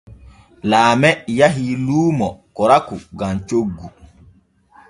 Laame yahii luumo koraku gam coggu.